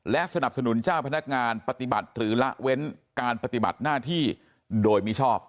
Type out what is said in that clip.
และสนับสนุนเจ้าพนักงานปฏิบัติหรือละเว้นการปฏิบัติหน้าที่โดยมิชอบ